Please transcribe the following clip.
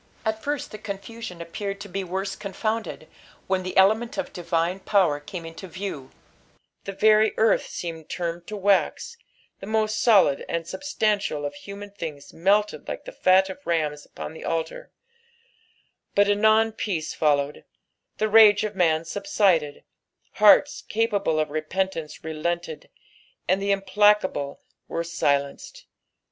At first the confusion appeared to be worse confounded, when the element of divine power came into view ; the very eorth seemed turned to wax, the most n>lid and substantial of human things melted like ihe fat of rams upon the altar; hut anon peace followed, the rage of man subnided, hearts capable of repentance relented, and the implacable were wlenced.